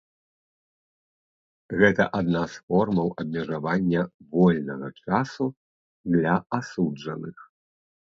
Гэта адна з формаў абмежавання вольнага часу для асуджаных.